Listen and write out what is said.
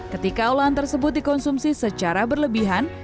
ketika olahan tersebut dikonsumsi secara berlebihan